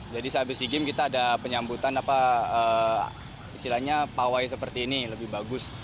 jadi sehabis sea games kita ada penyambutan apa istilahnya pawai seperti ini lebih bagus